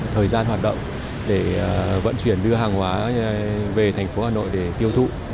thời gian hoạt động để vận chuyển đưa hàng hóa về thành phố hà nội để tiêu thụ